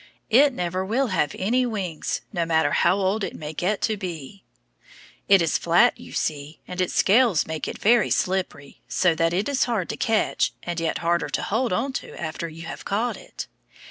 It never will have any wings, no matter how old it may get to be. It is flat, you see, and its scales make it very slippery, so that it is hard to catch and yet harder to hold on to after you have caught it.